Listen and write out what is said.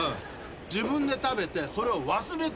自分で食べてそれを忘れてるの。